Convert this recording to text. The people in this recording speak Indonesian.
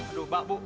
aduh mbak bu